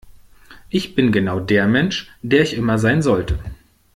Ich bin genau der Mensch, der ich immer sein sollte.